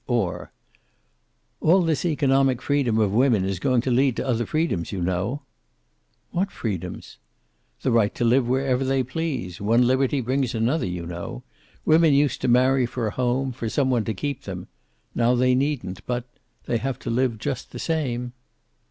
Or: "All this economic freedom of women is going to lead to other freedoms, you know." "What freedoms?" "The right to live wherever they please. One liberty brings another, you know. Women used to marry for a home, for some one to keep them. Now they needn't, but they have to live just the same."